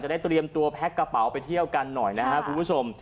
จะได้ตรวจตัวแพ็คกระเป๋าไปเที่ยวกันหน่อยนะครับ